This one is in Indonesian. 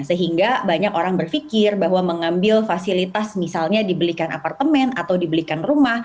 sehingga banyak orang berpikir bahwa mengambil fasilitas misalnya dibelikan apartemen atau dibelikan rumah